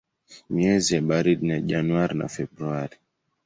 Miezi ya baridi ni Januari na Februari.